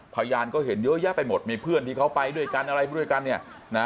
พยานก็เห็นเยอะแยะไปหมดมีเพื่อนที่เขาไปด้วยกันอะไรด้วยกันเนี่ยนะ